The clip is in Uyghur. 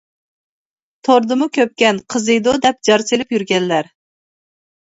توردىمۇ كۆپكەن قىزىيدۇ دەپ جار سېلىپ يۈرگەنلەر.